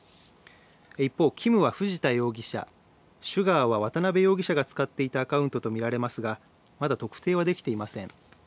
一方、キムは藤田容疑者、ｓｕｇａｒは渡邉容疑者が使っていたアカウントと見られますがまだ特定はできていません。